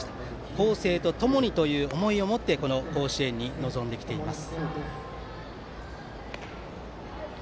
孝成とともにという思いを持って甲子園に臨んできています。